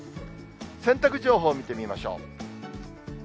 洗濯情報を見てみましょう。